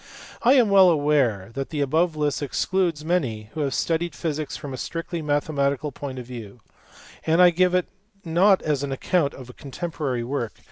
I am well aware that the above list excludes many who have studied physics from a strictly mathematical point of view ; and I give it not as an account of contemporary work, B.